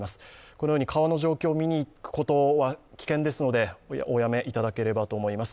このように川の状況を見に行くことは危険ですのでおやめいただければと思います。